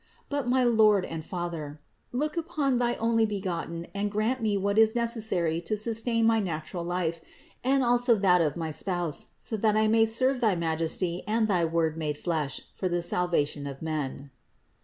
But, my Lord and Father, look upon thy Onlybegotten and grant me what is necessary to sustain my natural life and also that of my spouse, so that I may serve thy Majesty and thy Word made flesh for the salvation of men."